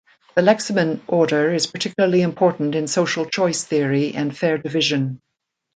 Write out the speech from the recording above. The leximin order is particularly important in social choice theory and fair division.